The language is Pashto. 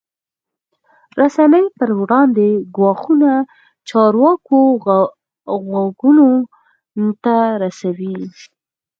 رسنۍ پر وړاندې ګواښونه چارواکو غوږونو ته رسوي.